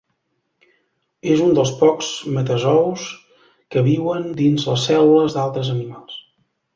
És un dels pocs metazous que viuen dins les cèl·lules d'altres animals.